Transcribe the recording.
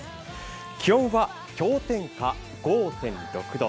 気温は氷点下５．６度。